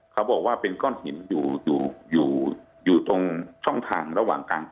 เขาบอกว่าเป็นก้อนหินอยู่อยู่ตรงช่องทางระหว่างกลาง